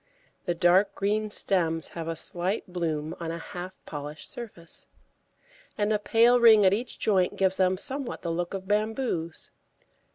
The dark green stems have a slight bloom on a half polished surface, and a pale ring at each joint gives them somewhat the look of bamboos.